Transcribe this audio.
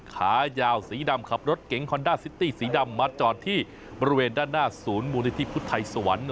ขายาวสีดำขับรถเก๋งฮอนด้าซิตี้สีดำมาจอดที่บริเวณด้านหน้าศูนย์มูลนิธิพุทธไทยสวรรค์